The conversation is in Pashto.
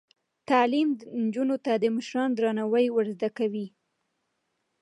تعلیم نجونو ته د مشرانو درناوی ور زده کوي.